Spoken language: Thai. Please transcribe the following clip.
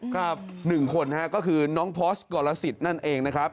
๑คนก็คือน้องพอสกรสิทธิ์นั่นเอง